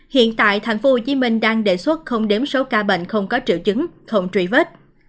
hiện tại tp hcm đang đề xuất không đếm số ca bệnh không có triệu chứng không truy vết